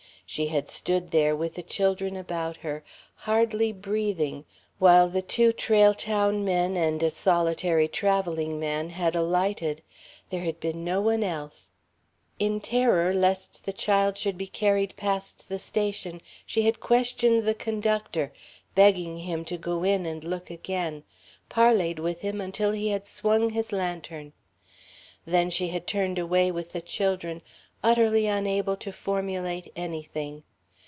She had stood there, with the children about her, hardly breathing while the two Trail Town men and a solitary traveling man had alighted. There had been no one else. In terror lest the child should be carried past the station, she had questioned the conductor, begged him to go in and look again, parleyed with him until he had swung his lantern. Then she had turned away with the children, utterly unable to formulate anything.